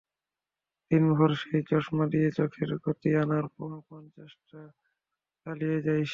দিনভর সেই চশমা দিয়ে চোখে গতি আনার মহাপ্রাণ চেষ্টা চালিয়ে যায় সে।